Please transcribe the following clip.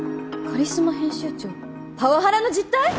「カリスマ編集長パワハラの実態！？」